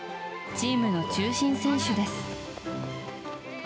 チームの中心選手です。